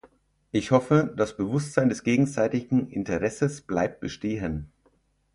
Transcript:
Ich hoffe, das Bewusstsein des gegenseitigen Interesses bleibt bestehen.